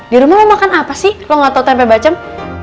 di rumah lo makan apa sih lo gak tau tempe bacem